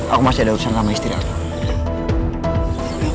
aku masih ada urusan sama istri aku